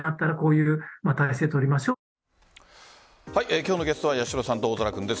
今日のゲストは八代さんと大空君です。